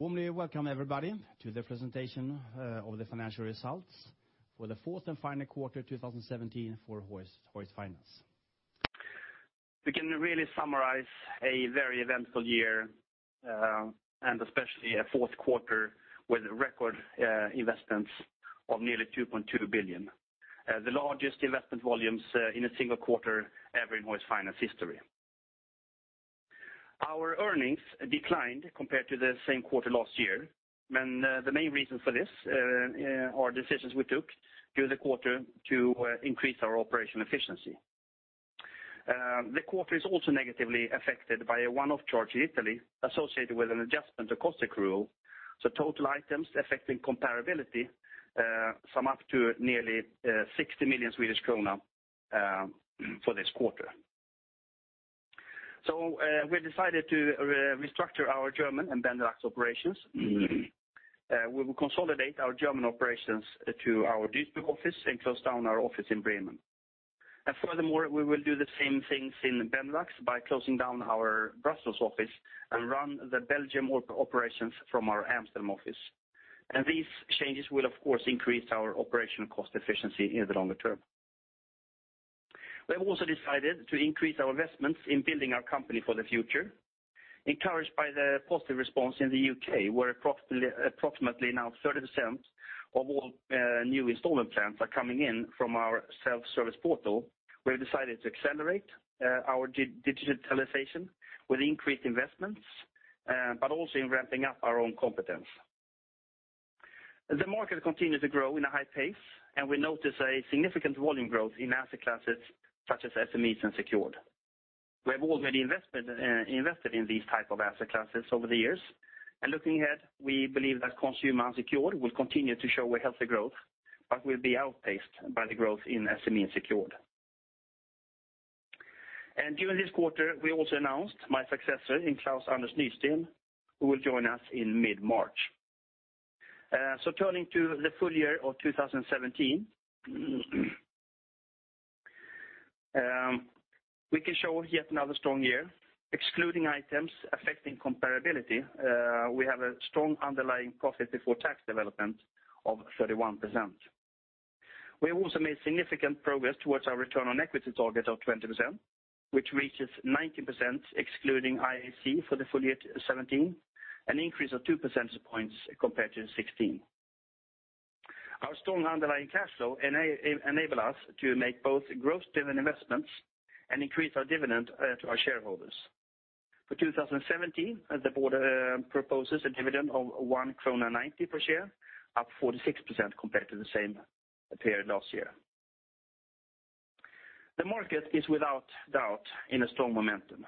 Warmly welcome everybody to the presentation of the financial results for the fourth and final quarter 2017 for Hoist Finance. We can really summarize a very eventful year, especially a fourth quarter with record investments of nearly 2.2 billion. The largest investment volumes in a single quarter ever in Hoist Finance history. Our earnings declined compared to the same quarter last year. The main reasons for this are decisions we took during the quarter to increase our operational efficiency. The quarter is also negatively affected by a one-off charge in Italy associated with an adjustment to cost accrual. Total items affecting comparability sum up to nearly 60 million Swedish krona for this quarter. We decided to restructure our German and Benelux operations. We will consolidate our German operations to our Duisburg office and close down our office in Bremen. Furthermore, we will do the same things in Benelux by closing down our Brussels office and run the Belgium operations from our Amsterdam office. These changes will of course increase our operational cost efficiency in the longer term. We have also decided to increase our investments in building our company for the future. Encouraged by the positive response in the U.K., where approximately now 30% of all new installment plans are coming in from our self-service portal. We have decided to accelerate our digitalization with increased investments, but also in ramping up our own competence. The market continues to grow in a high pace, and we notice a significant volume growth in asset classes such as SMEs and secured. We have already invested in these type of asset classes over the years. Looking ahead, we believe that consumer unsecured will continue to show a healthy growth but will be outpaced by the growth in SME and secured. During this quarter, we also announced my successor in Klaus-Anders Nysteen, who will join us in mid-March. Turning to the full year of 2017. We can show yet another strong year, excluding items affecting comparability. We have a strong underlying profit before tax development of 31%. We have also made significant progress towards our return on equity target of 20%, which reaches 19% excluding IAC for the full year 2017, an increase of two percentage points compared to 2016. Our strong underlying cash flow enable us to make both growth driven investments and increase our dividend to our shareholders. For 2017, the board proposes a dividend of 1.90 krona per share, up 46% compared to the same period last year. The market is without doubt in a strong momentum.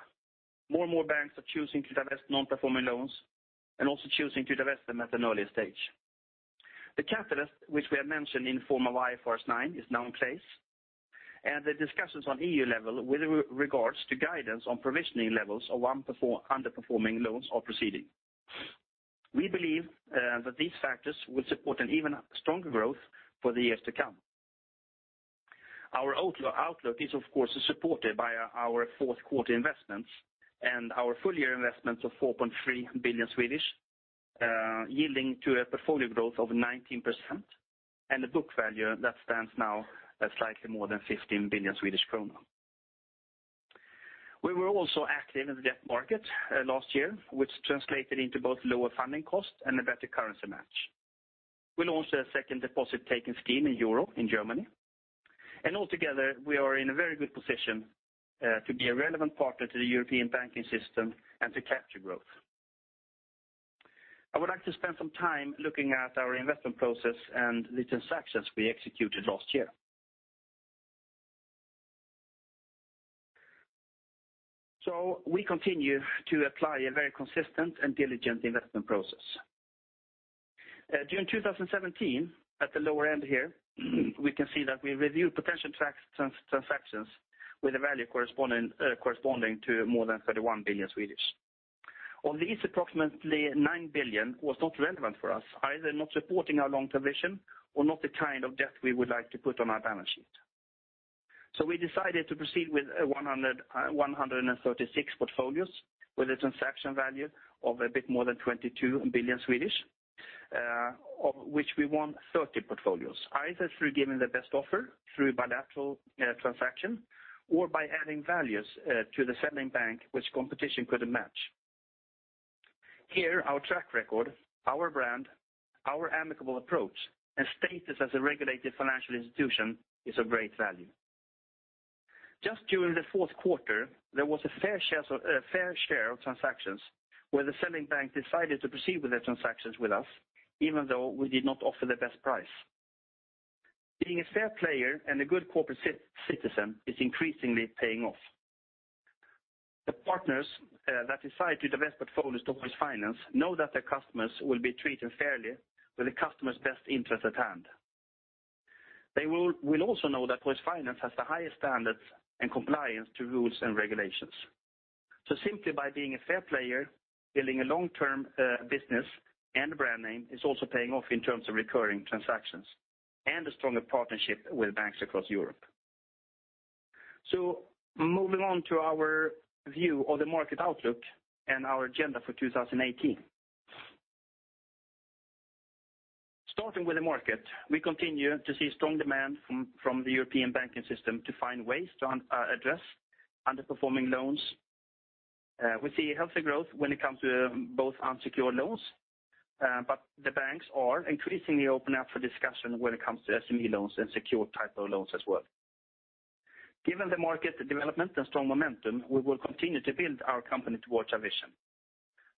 More and more banks are choosing to divest non-performing loans and also choosing to divest them at an earlier stage. The catalyst which we have mentioned in form of IFRS 9 is now in place, and the discussions on EU level with regards to guidance on provisioning levels of underperforming loans are proceeding. We believe that these factors will support an even stronger growth for the years to come. Our outlook is of course supported by our fourth quarter investments and our full year investments of 4.3 billion, yielding to a portfolio growth of 19% and a book value that stands now at slightly more than 15 billion Swedish kronor. We were also active in the debt market last year, which translated into both lower funding costs and a better currency match. We launched a second deposit-taking scheme in Euro in Germany. Altogether, we are in a very good position to be a relevant partner to the European banking system and to capture growth. I would like to spend some time looking at our investment process and the transactions we executed last year. We continue to apply a very consistent and diligent investment process. During 2017, at the lower end here, we can see that we reviewed potential transactions with a value corresponding to more than 31 billion. Of these, approximately 9 billion was not relevant for us, either not supporting our long-term vision or not the kind of debt we would like to put on our balance sheet. We decided to proceed with 136 portfolios with a transaction value of a bit more than 22 billion, of which we won 30 portfolios, either through giving the best offer through bilateral transaction or by adding values to the selling bank which competition couldn't match. Here, our track record, our brand, our amicable approach, and status as a regulated financial institution is of great value. Just during the fourth quarter, there was a fair share of transactions where the selling bank decided to proceed with the transactions with us, even though we did not offer the best price. Being a fair player and a good corporate citizen is increasingly paying off. The partners that decide to divest portfolios to Hoist Finance know that their customers will be treated fairly with the customer's best interest at hand. They will also know that Hoist Finance has the highest standards and compliance to rules and regulations. Simply by being a fair player, building a long-term business and brand name is also paying off in terms of recurring transactions and a stronger partnership with banks across Europe. Moving on to our view of the market outlook and our agenda for 2018. Starting with the market, we continue to see strong demand from the European banking system to find ways to address underperforming loans. We see healthy growth when it comes to both unsecured loans, the banks are increasingly opening up for discussion when it comes to SME loans and secured type of loans as well. Given the market development and strong momentum, we will continue to build our company towards our vision.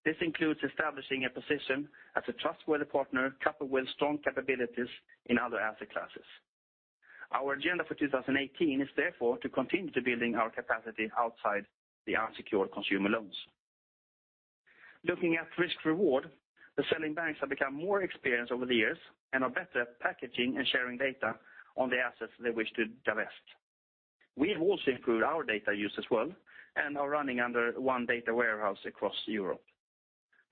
This includes establishing a position as a trustworthy partner coupled with strong capabilities in other asset classes. Our agenda for 2018 is therefore to continue to building our capacity outside the unsecured consumer loans. Looking at risk-reward, the selling banks have become more experienced over the years and are better at packaging and sharing data on the assets they wish to divest. We have also improved our data use as well and are running under one data warehouse across Europe.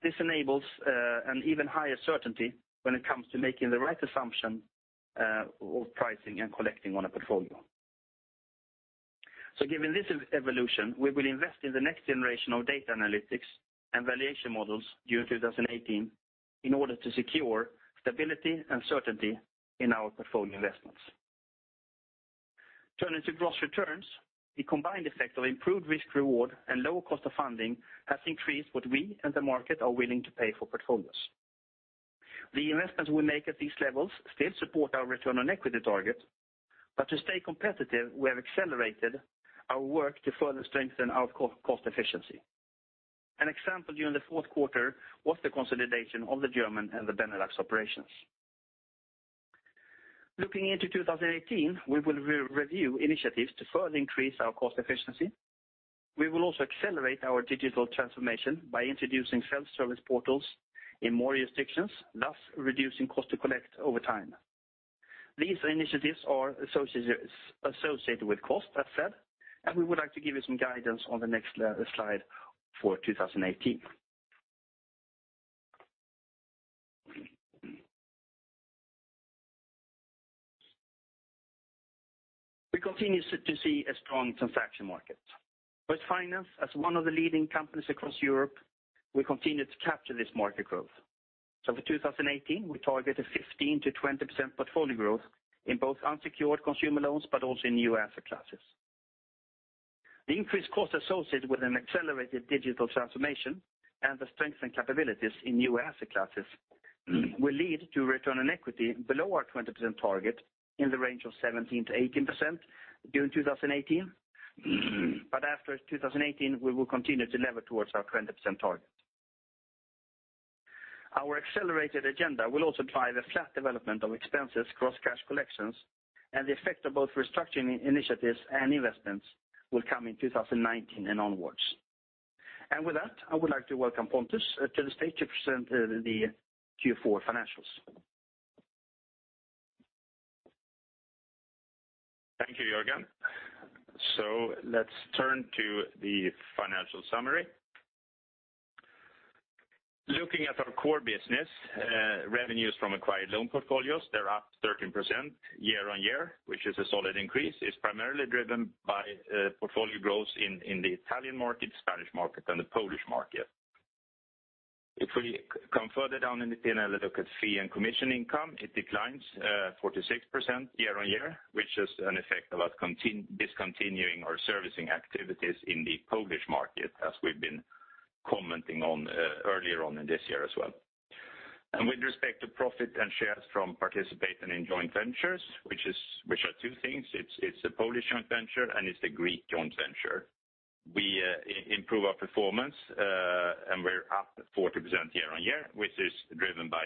This enables an even higher certainty when it comes to making the right assumption of pricing and collecting on a portfolio. Given this evolution, we will invest in the next generation of data analytics and valuation models during 2018 in order to secure stability and certainty in our portfolio investments. Turning to gross returns, the combined effect of improved risk reward and lower cost of funding has increased what we and the market are willing to pay for portfolios. The investments we make at these levels still support our return on equity target. To stay competitive, we have accelerated our work to further strengthen our cost efficiency. An example during the fourth quarter was the consolidation of the German and the Benelux operations. Looking into 2018, we will review initiatives to further increase our cost efficiency. We will also accelerate our digital transformation by introducing self-service portals in more jurisdictions, thus reducing cost to collect over time. These initiatives are associated with cost, that said, We would like to give you some guidance on the next slide for 2018. We continue to see a strong transaction market. Hoist Finance, as one of the leading companies across Europe, will continue to capture this market growth. For 2018, we targeted 15%-20% portfolio growth in both unsecured consumer loans, but also in new asset classes. The increased costs associated with an accelerated digital transformation and the strength and capabilities in new asset classes will lead to return on equity below our 20% target in the range of 17%-18% during 2018. After 2018, we will continue to lever towards our 20% target. Our accelerated agenda will also drive a flat development of expenses across cash collections, The effect of both restructuring initiatives and investments will come in 2019 and onwards. With that, I would like to welcome Pontus to the stage to present the Q4 financials. Thank you, Jörgen. Let's turn to the financial summary. Looking at our core business, revenues from acquired loan portfolios, they're up 13% year-over-year, which is a solid increase. It's primarily driven by portfolio growth in the Italian market, Spanish market, and the Polish market. If we come further down in the P&L and look at fee and commission income, it declines 46% year-over-year, which is an effect of us discontinuing our servicing activities in the Polish market as we've been commenting on earlier on in this year as well. With respect to profit and shares from participating in joint ventures, which are two things. It's the Polish joint venture and it's the Greek joint venture. We're up 40% year-over-year, which is driven by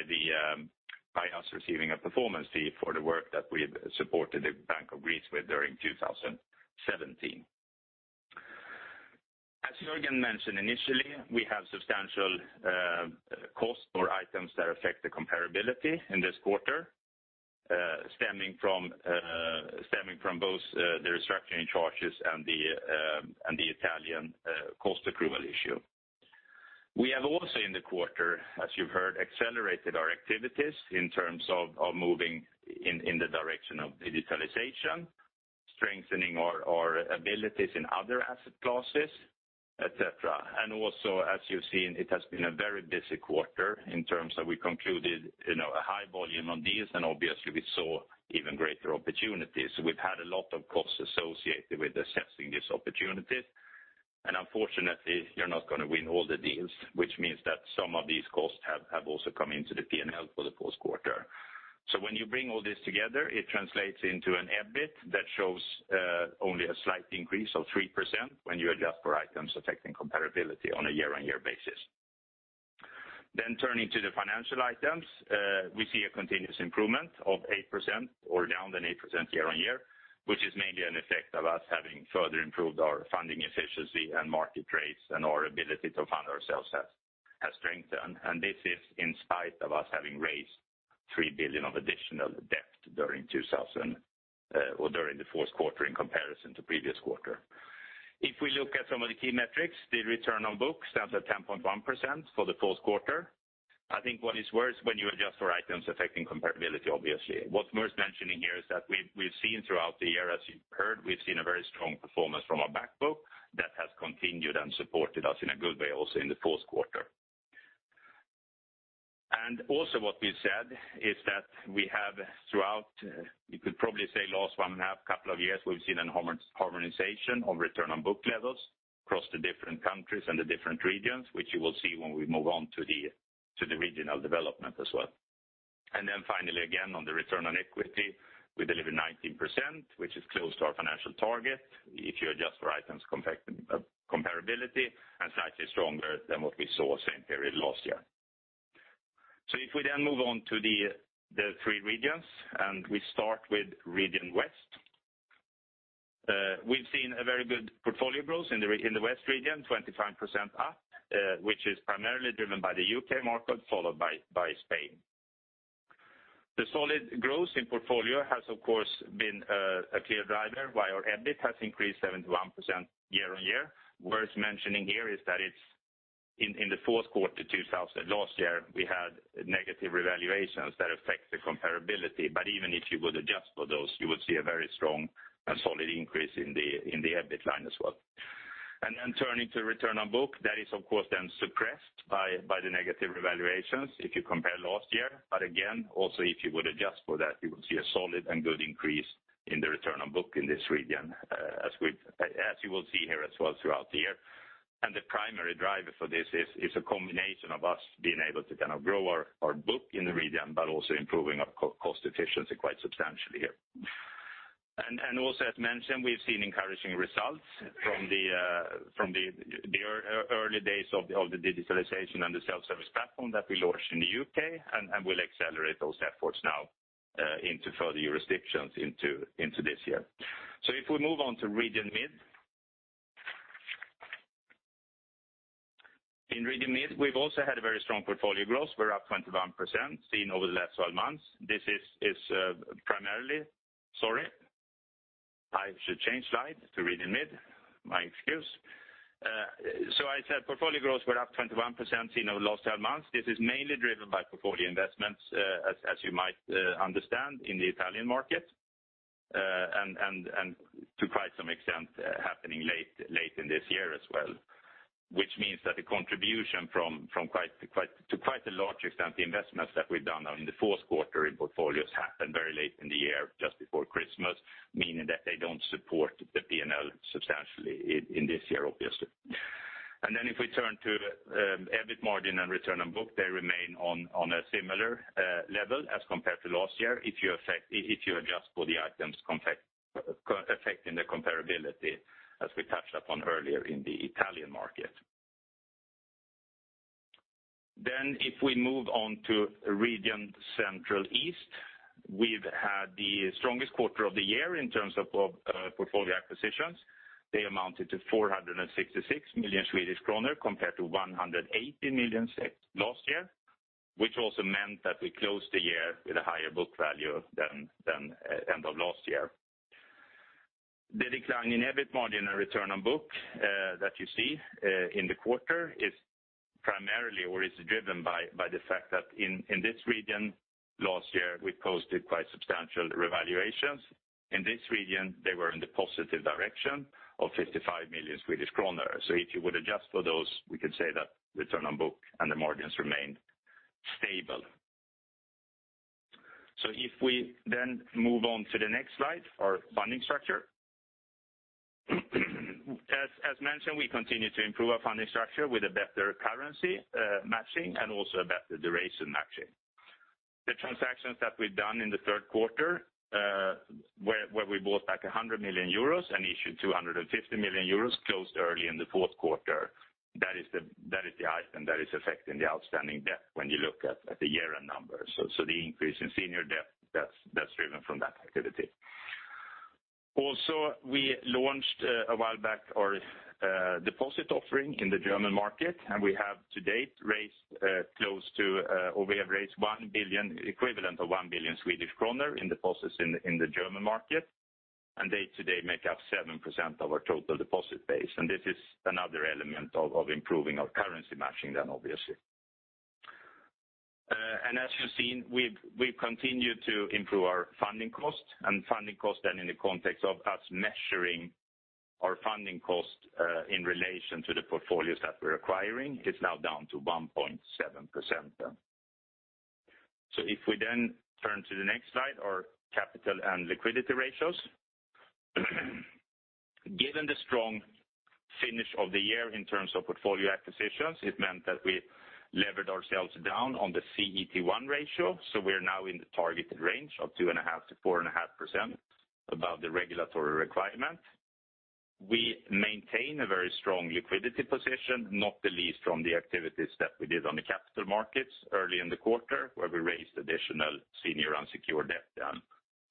us receiving a performance fee for the work that we've supported the Bank of Greece with during 2017. As Jörgen mentioned initially, we have substantial costs or items that affect the comparability in this quarter stemming from both the restructuring charges and the Italian cost accrual issue. We have also in the quarter, as you've heard, accelerated our activities in terms of moving in the direction of digitalization, strengthening our abilities in other asset classes, et cetera. Also as you've seen, it has been a very busy quarter in terms of we concluded a high volume on deals and obviously we saw even greater opportunities. We've had a lot of costs associated with assessing these opportunities, and unfortunately, you're not going to win all the deals, which means that some of these costs have also come into the P&L for the fourth quarter. When you bring all this together, it translates into an EBIT that shows only a slight increase of 3% when you adjust for items affecting comparability on a year-on-year basis. Turning to the financial items we see a continuous improvement of 8% or down than 8% year-on-year, which is mainly an effect of us having further improved our funding efficiency and market rates and our ability to fund ourselves has strengthened. This is in spite of us having raised 3 billion of additional debt during the fourth quarter in comparison to previous quarter. If we look at some of the key metrics, the return on book ends at 10.1% for the fourth quarter. I think what is worse, when you adjust for items affecting comparability, obviously. What's worth mentioning here is that we've seen throughout the year, as you've heard, we've seen a very strong performance from our back book that has continued and supported us in a good way also in the fourth quarter. Also what we've said is that we have throughout, you could probably say last one and a half couple of years, we've seen a harmonization of return on book levels across the different countries and the different regions, which you will see when we move on to the regional development as well. Finally, again, on the return on equity, we deliver 19%, which is close to our financial target if you adjust for items affecting comparability and slightly stronger than what we saw same period last year. If we then move on to the three regions, and we start with region West. We've seen a very good portfolio growth in the West region, 25% up, which is primarily driven by the U.K. market, followed by Spain. The solid growth in portfolio has, of course, been a clear driver why our EBIT has increased 71% year-on-year. Worth mentioning here is that in the fourth quarter 2000 last year, we had negative revaluations that affect the comparability. Even if you would adjust for those, you would see a very strong and solid increase in the EBIT line as well. Turning to return on book, that is of course then suppressed by the negative revaluations if you compare last year. Again, also if you would adjust for that, you would see a solid and good increase in the return on book in this region, as you will see here as well throughout the year. The primary driver for this is a combination of us being able to grow our book in the region, but also improving our cost efficiency quite substantially here. Also, as mentioned, we've seen encouraging results from the early days of the digitalization and the self-service portal that we launched in the U.K., and we'll accelerate those efforts now into further jurisdictions into this year. If we move on to region Mid. In region Mid, we've also had a very strong portfolio growth. Sorry. I should change slide to region Mid. My excuse. I said portfolio growth, we're up 21% seen over the last 12 months. This is mainly driven by portfolio investments, as you might understand, in the Italian market, and to quite some extent happening late in this year as well, which means that the contribution to quite a large extent, the investments that we've done now in the fourth quarter in portfolios happened very late in the year, just before Christmas, meaning that they don't support the P&L substantially in this year, obviously. If we turn to EBIT margin and return on book, they remain on a similar level as compared to last year if you adjust for the items affecting comparability, as we touched upon earlier in the Italian market. If we move on to region Central East, we've had the strongest quarter of the year in terms of portfolio acquisitions. They amounted to 466 million Swedish kronor compared to 180 million last year, which also meant that we closed the year with a higher book value than end of last year. The decline in EBIT margin and return on book that you see in the quarter is primarily or is driven by the fact that in this region last year, we posted quite substantial revaluations. In this region, they were in the positive direction of 55 million Swedish kronor. If you would adjust for those, we could say that return on book and the margins remain stable. If we move on to the next slide, our funding structure. As mentioned, we continue to improve our funding structure with a better currency matching and also a better duration matching. The transactions that we've done in the third quarter, where we bought back 100 million euros and issued 250 million euros closed early in the fourth quarter. That is the item that is affecting the outstanding debt when you look at the year-end numbers. The increase in senior debt, that's driven from that activity. Also, we launched a while back our deposit offering in the German market, and we have to date raised equivalent of 1 billion Swedish kronor in deposits in the German market, and they today make up 7% of our total deposit base. This is another element of improving our currency matching then, obviously. As you've seen, we've continued to improve our funding cost and funding cost then in the context of us measuring our funding cost in relation to the portfolios that we're acquiring is now down to 1.7%. If we turn to the next slide, our capital and liquidity ratios. Given the strong finish of the year in terms of portfolio acquisitions, it meant that we levered ourselves down on the CET1 ratio. We're now in the targeted range of 2.5%-4.5% above the regulatory requirement. We maintain a very strong liquidity position, not the least from the activities that we did on the capital markets early in the quarter, where we raised additional senior unsecured debt then.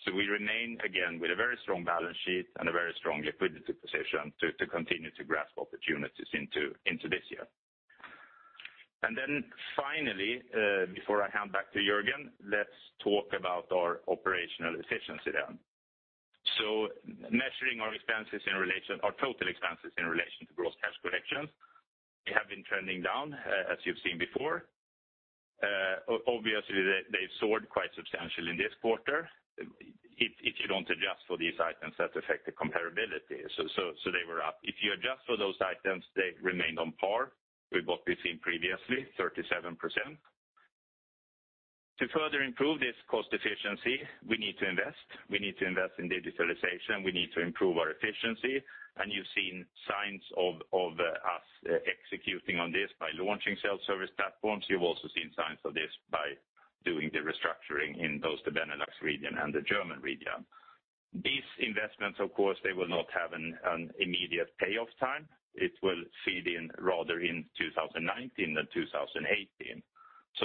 We remain, again, with a very strong balance sheet and a very strong liquidity position to continue to grasp opportunities into this year. Finally, before I hand back to Jörgen, let's talk about our operational efficiency then. Measuring our total expenses in relation to gross cash collections, they have been trending down as you've seen before. Obviously they've soared quite substantially this quarter. If you don't adjust for these items that affect the comparability. They were up. If you adjust for those items, they remained on par with what we've seen previously, 37%. To further improve this cost efficiency, we need to invest. We need to invest in digitalization. We need to improve our efficiency, and you've seen signs of us executing on this by launching self-service platforms. You've also seen signs of this by doing the restructuring in both the Benelux region and the German region. These investments, of course, they will not have an immediate payoff time. It will feed in rather in 2019 than 2018.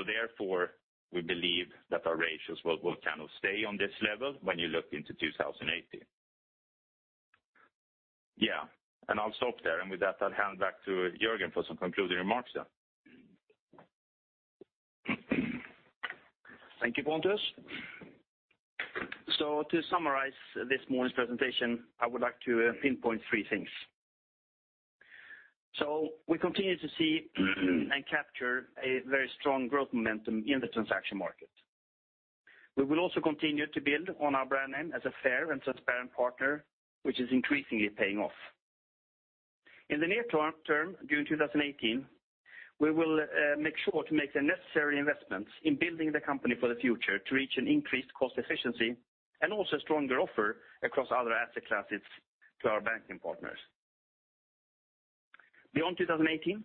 Therefore, we believe that our ratios will stay on this level when you look into 2018. Yeah. I'll stop there, and with that, I'll hand back to Jörgen for some concluding remarks then. Thank you, Pontus. To summarize this morning's presentation, I would like to pinpoint three things. We continue to see and capture a very strong growth momentum in the transaction market. We will also continue to build on our brand name as a fair and transparent partner, which is increasingly paying off. In the near term, during 2018, we will make sure to make the necessary investments in building the company for the future to reach an increased cost efficiency and also stronger offer across other asset classes to our banking partners. Beyond 2018,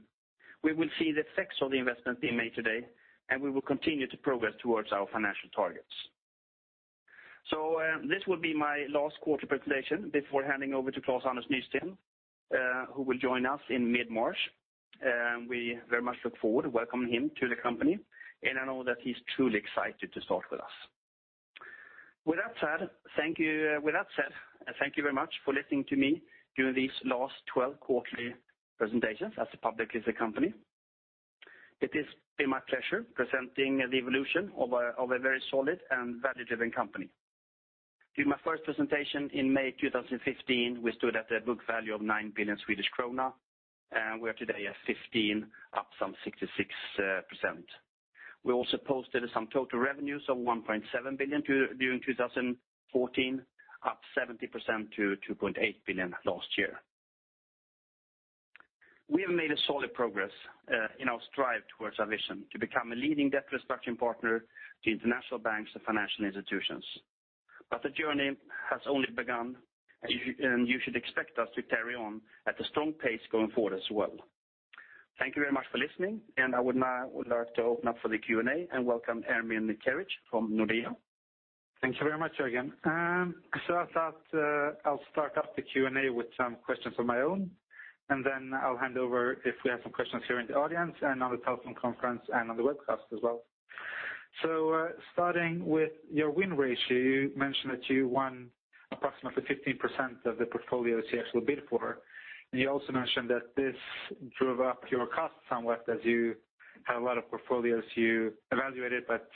we will see the effects of the investments being made today, and we will continue to progress towards our financial targets. This will be my last quarter presentation before handing over to Klaus-Anders Nysteen, who will join us in mid-March. We very much look forward to welcoming him to the company, I know that he's truly excited to start with us. With that said, thank you very much for listening to me during these last 12 quarterly presentations as a publicly listed company. It has been my pleasure presenting the evolution of a very solid and value-driven company. During my first presentation in May 2015, we stood at a book value of 9 billion Swedish krona, and we are today at 15 billion, up some 66%. We also posted some total revenues of 1.7 billion during 2014, up 70% to 2.8 billion last year. We have made a solid progress in our strive towards our vision to become a leading debt restructuring partner to international banks and financial institutions. The journey has only begun, and you should expect us to carry on at a strong pace going forward as well. Thank you very much for listening, and I would now like to open up for the Q&A and welcome Ermin Mekic from Nordea. Thank you very much, Jörgen. I thought I'll start off the Q&A with some questions of my own, and then I'll hand over if we have some questions here in the audience and on the telephone conference and on the webcast as well. Starting with your win ratio, you mentioned that you won approximately 15% of the portfolios you actually bid for, and you also mentioned that this drove up your cost somewhat as you had a lot of portfolios you evaluated but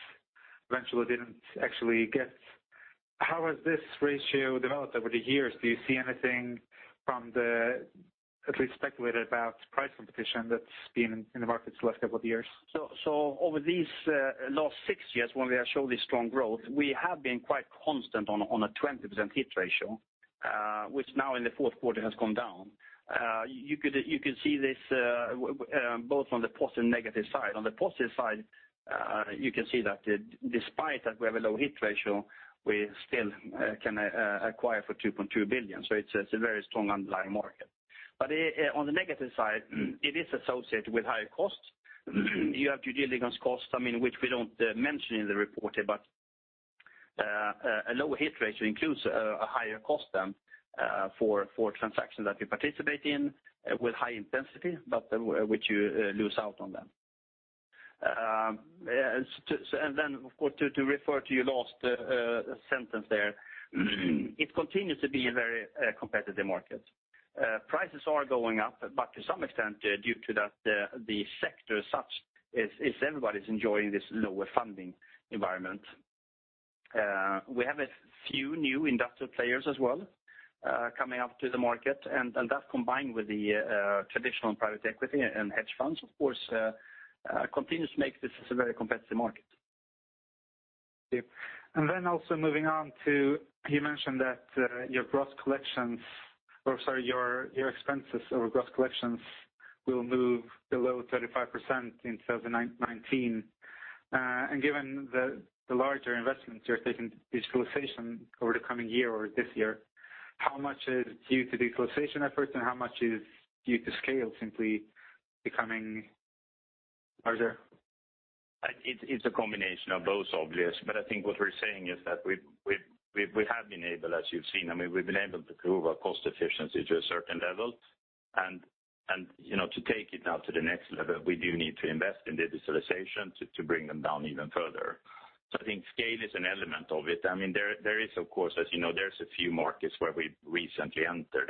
eventually didn't actually get. How has this ratio developed over the years? Do you see anything from the, at least speculated about price competition that's been in the markets the last couple of years? Over these last six years when we have showed this strong growth, we have been quite constant on a 20% hit ratio, which now in the fourth quarter has gone down. You could see this both on the positive and negative side. On the positive side, you can see that despite that we have a low hit ratio, we still can acquire for 2.2 billion. It's a very strong underlying market. On the negative side, it is associated with higher costs. You have due diligence costs, which we don't mention in the report here, but a lower hit ratio includes a higher cost then for transactions that you participate in with high intensity, but which you lose out on then. Of course, to refer to your last sentence there, it continues to be a very competitive market. Prices are going up, to some extent, due to that the sector such is everybody's enjoying this lower funding environment. We have a few new industrial players as well coming up to the market, that combined with the traditional private equity and hedge funds, of course, continues to make this a very competitive market. Moving on to, you mentioned that your expenses over gross collections will move below 35% in 2019. Given the larger investments you're taking digitalization over the coming year or this year, how much is due to digitalization efforts and how much is due to scale simply becoming larger? It's a combination of both, obvious. I think what we're saying is that we have been able, as you've seen, we've been able to prove our cost efficiency to a certain level. To take it now to the next level, we do need to invest in digitalization to bring them down even further. I think scale is an element of it. There is, of course, as you know, there's a few markets where we recently entered.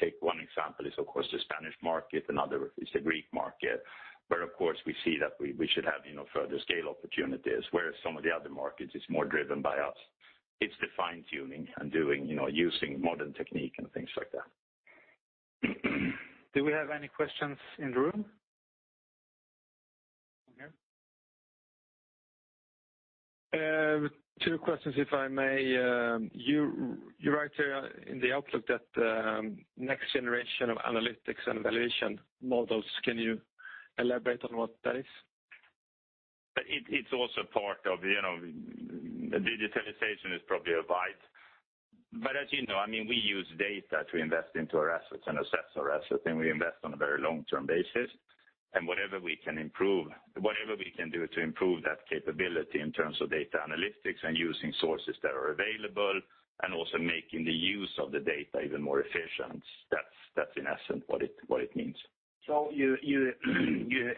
Take one example is, of course, the Spanish market. Another is the Greek market, where, of course, we see that we should have further scale opportunities, whereas some of the other markets, it's more driven by us. It's the fine-tuning and using modern technique and things like that. Do we have any questions in the room? Okay. Two questions, if I may. You write in the outlook that next generation of analytics and valuation models, can you elaborate on what that is? As you know, we use data to invest into our assets and assess our assets, and we invest on a very long-term basis. Whatever we can do to improve that capability in terms of data analytics and using sources that are available and also making the use of the data even more efficient, that's in essence what it means. You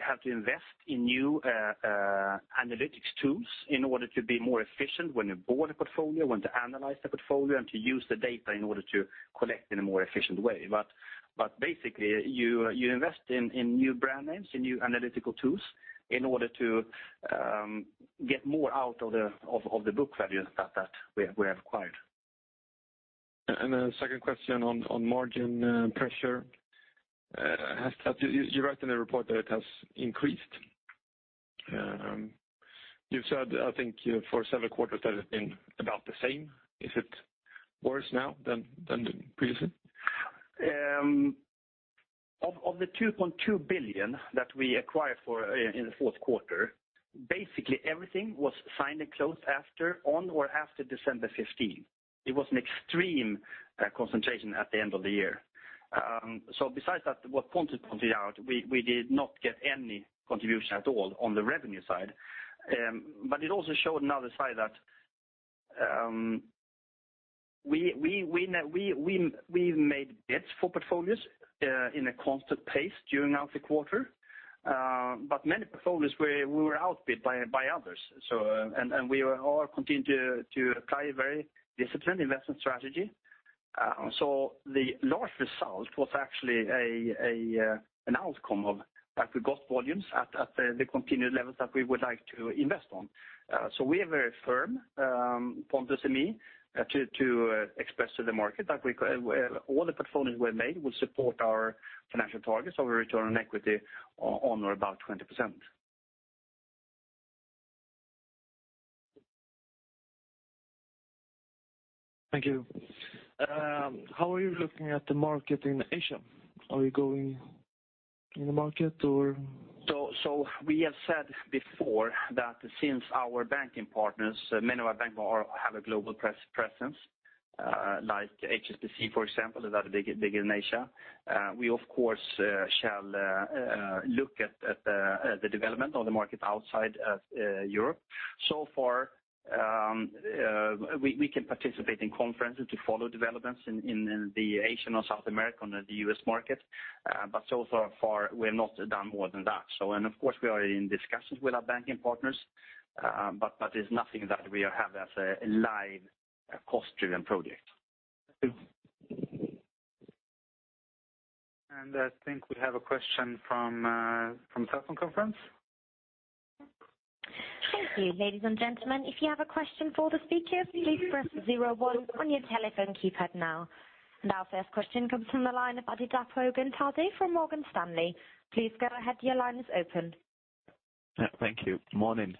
have to invest in new analytics tools in order to be more efficient when you bought a portfolio, when to analyze the portfolio, and to use the data in order to collect in a more efficient way. Basically, you invest in new brand names and new analytical tools in order to get more out of the book value that we have acquired. The second question on margin pressure. You wrote in the report that it has increased. You've said, I think, for several quarters that it's been about the same. Is it worse now than previously? Of the 2.2 billion that we acquired in the fourth quarter, basically everything was signed and closed on or after December 15th. It was an extreme concentration at the end of the year. Besides that, what Pontus pointed out, we did not get any contribution at all on the revenue side. It also showed another side that we've made bids for portfolios in a constant pace during the quarter. Many portfolios, we were outbid by others. We will all continue to apply a very disciplined investment strategy. The large result was actually an outcome of the gross volumes at the continued levels that we would like to invest on. We are very firm, Pontus and me, to express to the market that all the portfolios we've made will support our financial targets of a return on equity on or about 20%. Thank you. How are you looking at the market in Asia? Are you going in the market or? We have said before that since our banking partners, many of our banks have a global presence, like HSBC, for example, is very big in Asia. We, of course, shall look at the development of the market outside of Europe. So far, we can participate in conferences to follow developments in the Asian or South American or the U.S. market. So far we have not done more than that. Of course, we are in discussions with our banking partners, but there's nothing that we have as a live cost-driven project. Thank you. I think we have a question from telephone conference. Thank you. Ladies and gentlemen, if you have a question for the speakers, please press 01 on your telephone keypad now. Our first question comes from the line of Adedapo Oguntade from Morgan Stanley. Please go ahead. Your line is open. Thank you. Morning.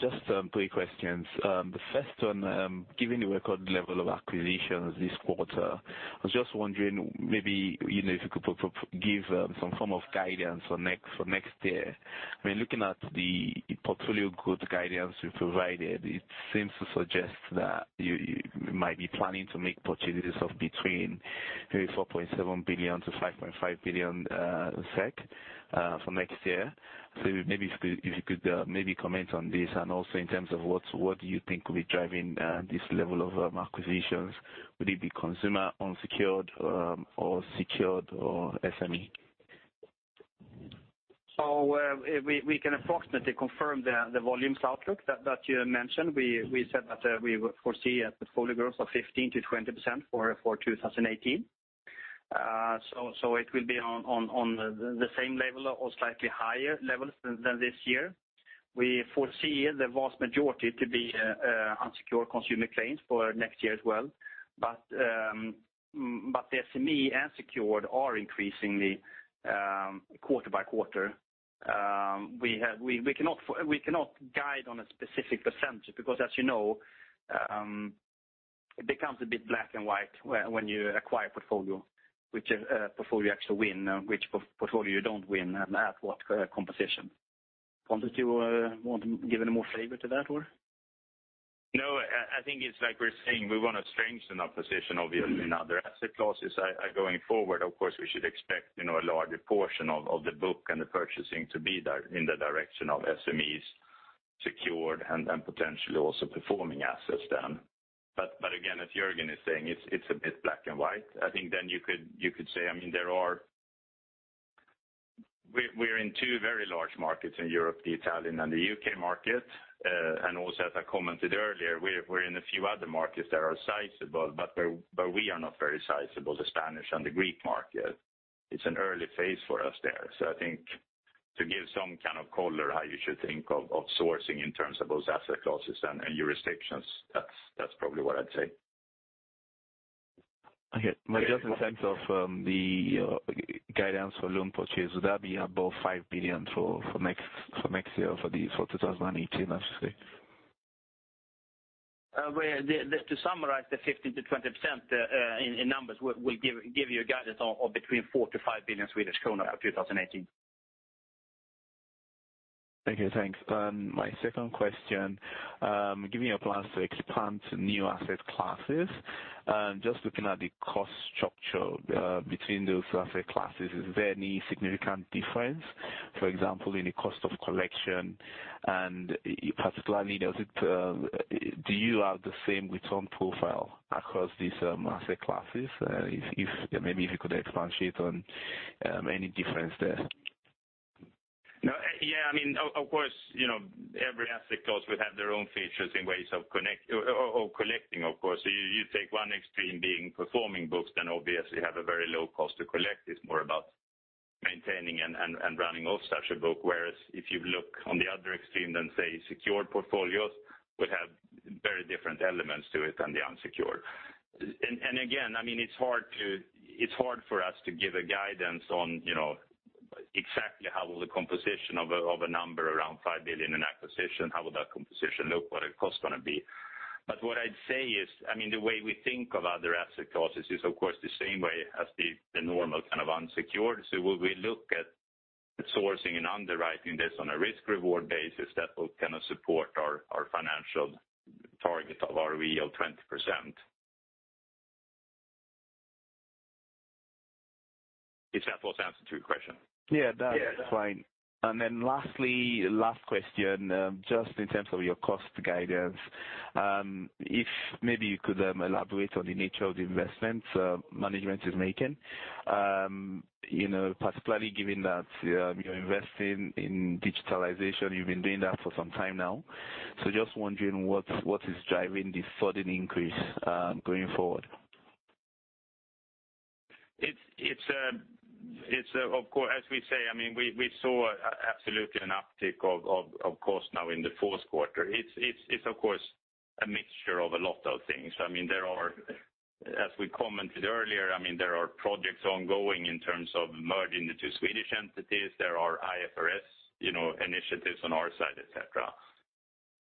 Just three questions. The first one, given the record level of acquisitions this quarter, I was just wondering maybe if you could give some form of guidance for next year. Looking at the portfolio growth guidance you provided, it seems to suggest that you might be planning to make purchases of between maybe 4.7 billion-5.5 billion SEK for next year. Maybe if you could maybe comment on this and also in terms of what do you think will be driving this level of acquisitions. Would it be consumer, unsecured or secured or SME? We can approximately confirm the volumes outlook that you mentioned. We said that we foresee a portfolio growth of 15%-20% for 2018. It will be on the same level or slightly higher level than this year. We foresee the vast majority to be unsecured consumer claims for next year as well. The SME and secured are increasing quarter by quarter. We cannot guide on a specific percentage because as you know, it becomes a bit black and white when you acquire a portfolio, which portfolio you actually win, which portfolio you don't win, and at what composition. Pontus, do you want to give any more flavor to that or? I think it's like we're saying, we want to strengthen our position obviously in other asset classes going forward. Of course, we should expect a larger portion of the book and the purchasing to be in the direction of SMEs, secured, and then potentially also performing assets then. Again, as Jörgen is saying, it's a bit black and white. I think you could say we're in two very large markets in Europe, the Italian and the U.K. market. Also, as I commented earlier, we're in a few other markets that are sizable, but we are not very sizable, the Spanish and the Greek market. It's an early phase for us there. I think to give some kind of color how you should think of sourcing in terms of those asset classes and jurisdictions, that's probably what I'd say. Okay. Just in terms of the guidance for loan purchase, would that be above 5 billion for next year, for 2018, let's just say? To summarize the 15%-20% in numbers, we'll give you a guidance of between SEK 4 billion-SEK 5 billion for 2018. Okay, thanks. My second question. Given your plans to expand to new asset classes, just looking at the cost structure between those asset classes, is there any significant difference? For example, in the cost of collection and particularly, do you have the same return profile across these asset classes? Maybe if you could expand on any difference there. Of course, every asset class will have their own features and ways of collecting. You take one extreme being performing books, then obviously you have a very low cost to collect. It's more about maintaining and running off such a book. Whereas if you look on the other extreme, then say secured portfolios would have very different elements to it than the unsecured. Again, it's hard for us to give a guidance on exactly how will the composition of a number around 5 billion in acquisition, how would that composition look, what the cost is going to be. What I'd say is, the way we think of other asset classes is of course, the same way as the normal kind of unsecured. We look at sourcing and underwriting this on a risk-reward basis that will support our financial target of ROE of 20%. If that was the answer to your question. That's fine. Last question. Just in terms of your cost guidance, if maybe you could elaborate on the nature of the investments management is making. Particularly given that you're investing in digitalization, you've been doing that for some time now. Just wondering what is driving this sudden increase going forward? As we say, we saw absolutely an uptick of cost now in the fourth quarter. It's of course, a mixture of a lot of things. As we commented earlier, there are projects ongoing in terms of merging the two Swedish entities. There are IFRS initiatives on our side, et cetera.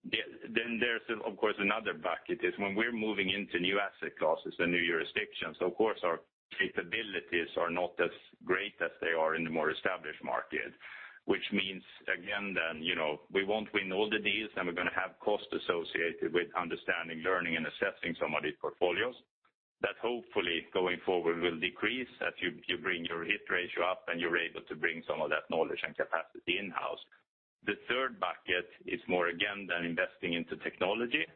There's, of course, another bucket is when we're moving into new asset classes and new jurisdictions. Of course, our capabilities are not as great as they are in the more established market, which means again, we won't win all the deals, and we're going to have costs associated with understanding, learning, and assessing some of these portfolios. That hopefully going forward will decrease as you bring your hit ratio up and you're able to bring some of that knowledge and capacity in-house. The third bucket is more, again, than investing into technology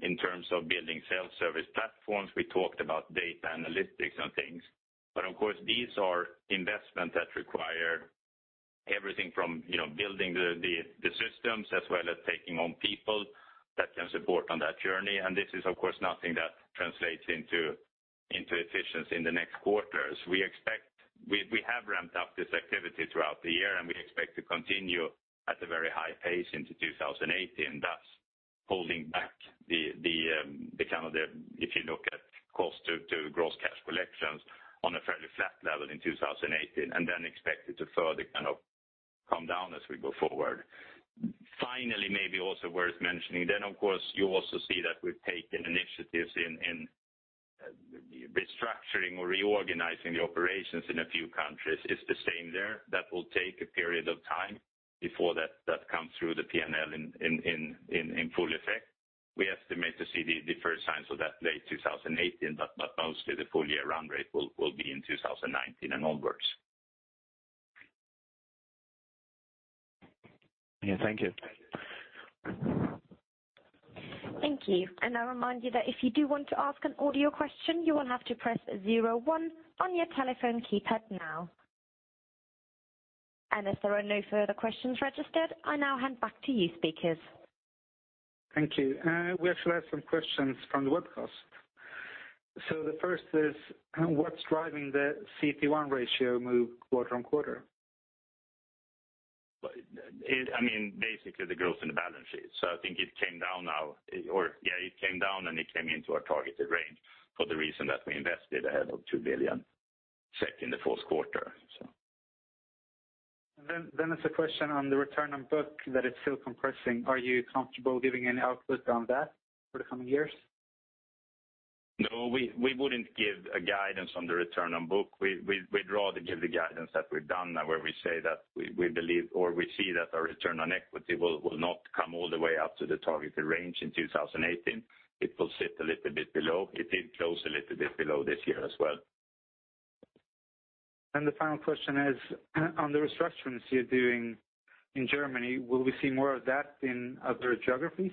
in terms of building Self-Service platforms. We talked about data analytics and things. Of course, these are investments that require everything from building the systems as well as taking on people that can support on that journey. This is, of course, nothing that translates into efficiency in the next quarters. We have ramped up this activity throughout the year, and we expect to continue at a very high pace into 2018, thus holding back the counter there. If you look at cost to gross cash collections on a fairly flat level in 2018 and then expect it to further come down as we go forward. Finally, maybe also worth mentioning, of course, you also see that we've taken initiatives in restructuring or reorganizing the operations in a few countries. It's the same there. That will take a period of time before that comes through the P&L in full effect. We estimate to see the first signs of that late 2018, mostly the full-year run rate will be in 2019 and onwards. Yeah. Thank you. Thank you. I remind you that if you do want to ask an audio question, you will have to press 01 on your telephone keypad now. As there are no further questions registered, I now hand back to you speakers. Thank you. We actually have some questions from the webcast. The first is: What's driving the CET1 ratio move quarter-on-quarter? Basically, the growth in the balance sheet. I think it came down now or yeah, it came down, and it came into our targeted range for the reason that we invested ahead of 2 billion in the fourth quarter. There's a question on the return on book that is still compressing. Are you comfortable giving any outlook on that for the coming years? No, we wouldn't give a guidance on the return on book. We'd rather give the guidance that we've done now where we say that we believe or we see that our return on equity will not come all the way up to the targeted range in 2018. It will sit a little bit below. It did close a little bit below this year as well. The final question is on the restructurings you're doing in Germany. Will we see more of that in other geographies?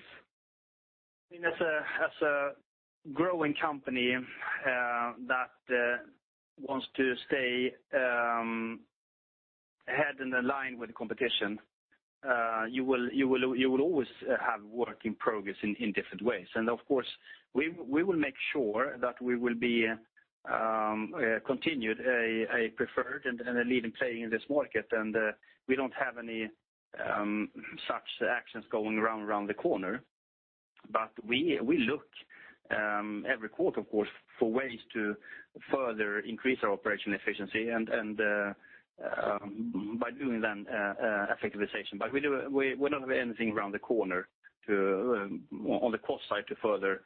As a growing company that wants to stay ahead and aligned with the competition, you will always have work in progress in different ways. Of course, we will make sure that we will be continued a preferred and a leading player in this market, and we don't have any such actions going around the corner. We look every quarter, of course, for ways to further increase our operational efficiency and by doing then effectivization. We don't have anything around the corner on the cost side to further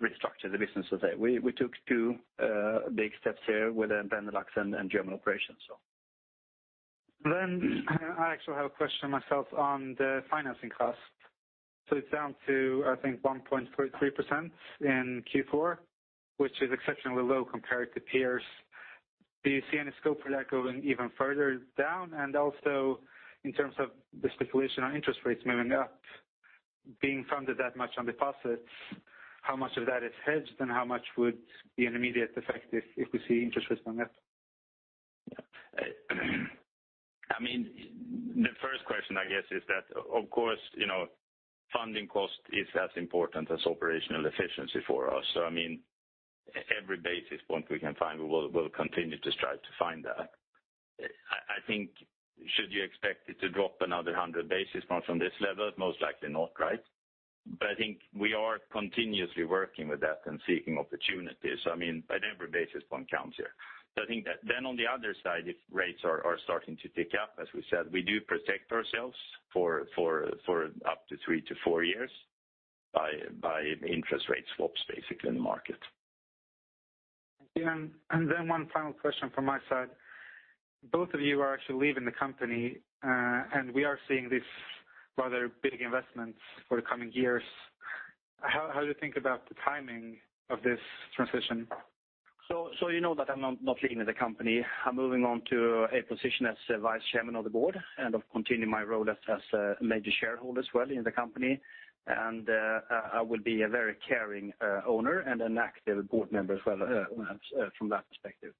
restructure the business today. We took two big steps here with the Benelux and German operations. I actually have a question myself on the financing cost. It's down to, I think 1.3% in Q4, which is exceptionally low compared to peers. Do you see any scope for that going even further down? Also in terms of the speculation on interest rates moving up, being funded that much on deposits, how much of that is hedged and how much would be an immediate effect if we see interest rates going up? The first question, I guess, is that of course, funding cost is as important as operational efficiency for us. Every basis point we can find, we'll continue to strive to find that. I think should you expect it to drop another 100 basis points from this level? Most likely not, right? I think we are continuously working with that and seeking opportunities. Every basis point counts here. I think then on the other side, if rates are starting to tick up, as we said, we do protect ourselves for up to three to four years by interest rate swaps, basically in the market. Thank you. One final question from my side. Both of you are actually leaving the company, and we are seeing these rather big investments for the coming years. How do you think about the timing of this transition? You know that I'm not leaving the company. I'm moving on to a position as vice chairman of the board and continuing my role as a major shareholder as well in the company. I will be a very caring owner and an active board member as well from that perspective.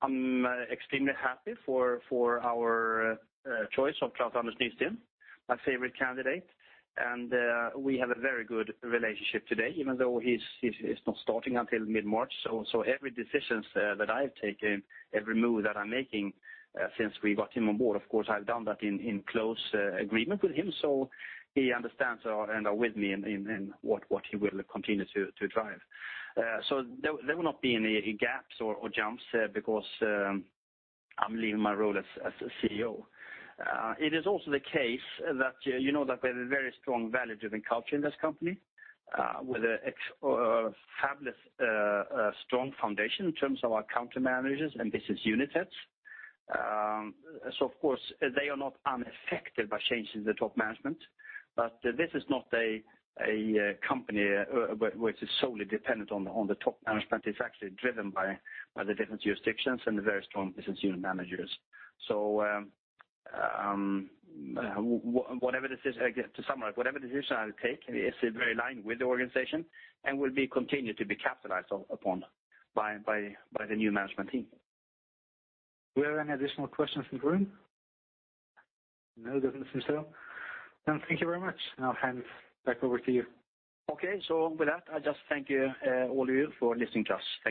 I'm extremely happy for our choice of Klaus-Anders Nysteen, my favorite candidate, and we have a very good relationship today even though he's not starting until mid-March. Every decision that I've taken, every move that I'm making since we got him on board, of course, I've done that in close agreement with him, so he understands and are with me in what he will continue to drive. There will not be any gaps or jumps because I'm leaving my role as CEO. It is also the case that you know that we have a very strong value-driven culture in this company with a fabulous, strong foundation in terms of our country managers and business unit heads. Of course they are not unaffected by changes in the top management, but this is not a company which is solely dependent on the top management. It's actually driven by the different jurisdictions and the very strong business unit managers. To summarize, whatever decision I take is very aligned with the organization and will continue to be capitalized upon by the new management team. Do we have any additional questions from the room? No, it doesn't seem so. Thank you very much. I'll hand it back over to you. Okay. With that, I just thank all of you for listening to us. Thank you.